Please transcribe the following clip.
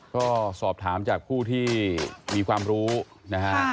ก็สอบถามจากผู้ที่มีความรู้นะฮะ